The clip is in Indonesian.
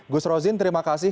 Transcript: gus rozin terima kasih